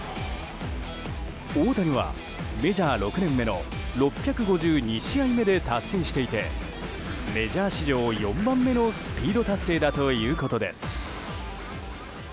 大谷はメジャー６年目の６５２試合目で達成していてメジャー史上４番目のスピード達成だということです。